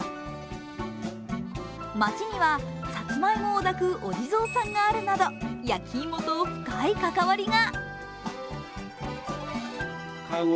街にはさつまいもを抱くお地蔵さんがあるなど焼きいもと深い関わりが。